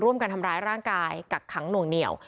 ร่วมกันทำร้ายร่างกายกักขังหน่วงเหนียว